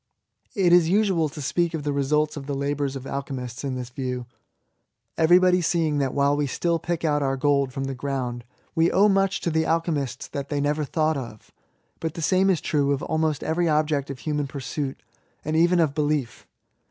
It is usual to speak of the resultsK of the labours of alchemists in thiB view, everybody seeing that while we still pick out our gold from the ground, we owe much to the alchemists that they never thought of. But the same is true of almost every object of human pursuit, and even of belief.